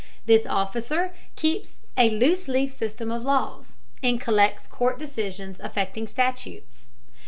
This officer keeps a loose leaf system of laws, and collects court decisions affecting statutes.